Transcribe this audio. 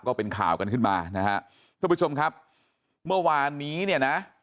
ก็เป็นข่าวกันขึ้นมานะฮะทุกผู้ชมครับเมื่อวานนี้เนี่ยนะ